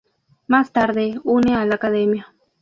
Más tarde une a la academia.